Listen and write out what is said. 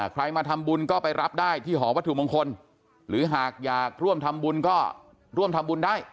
ใครมาทำบุญก็ไปรับได้ที่หอวัตถุมงคลหรือหากอยากร่วมทำบุญก็ร่วมทำบุญได้